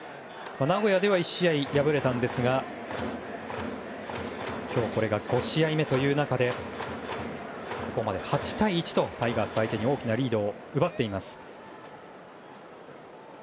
名古屋では１試合敗れたんですが今日、これが５試合目という中でここまで８対１とタイガース相手に大きなリードを奪っています。